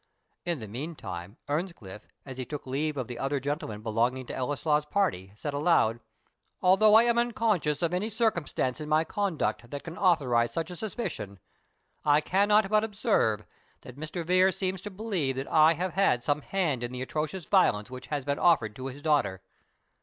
In the meantime, Earnscliff, as he took leave of the other gentlemen belonging to Ellieslaw's party, said aloud, "Although I am unconscious of any circumstance in my conduct that can authorize such a suspicion, I cannot but observe, that Mr. Vere seems to believe that I have had some hand in the atrocious violence which has been offered to his daughter.